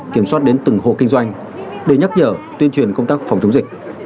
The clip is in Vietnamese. kiểm soát đến từng hộ kinh doanh để nhắc nhở tuyên truyền công tác phòng chống dịch